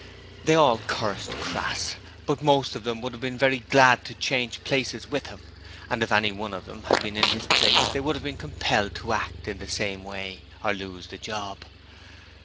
They all cursed Crass, but most of them would have been very glad to change places with him: and if any one of them had been in his place they would have been compelled to act in the same way or lose the job.